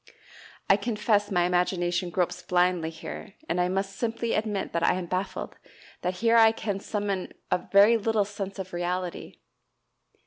I confess my imagination gropes blindly here, and I must simply admit that I am baffled, that here I can summon up very little sense of reality.